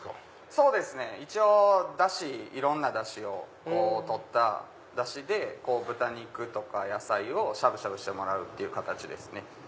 そうですね一応いろんなダシを取ったダシで豚肉とか野菜をしゃぶしゃぶしてもらう形ですね。